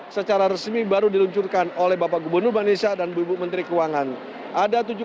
tersebut baru diluncurkan oleh bapak gubernur bank indonesia dan bu ibu menteri keuangan ada tujuh